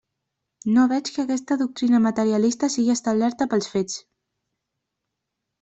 No veig que aquesta doctrina materialista sigui establerta pels fets.